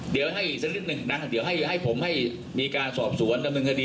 เดี๋ยวให้สักนิดหนึ่งดังระดับผมให้มีเกาะสอบสวนดำเนื้อห์ดี้